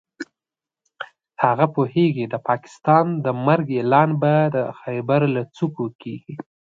هغه پوهېږي د پاکستان د مرګ اعلان به د خېبر له څوکو کېږي.